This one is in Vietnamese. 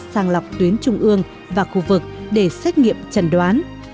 sàng lọc tuyến trung ương và khu vực để xét nghiệm trần đoán